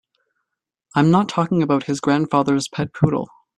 I'm not talking about his grandfather's pet poodle.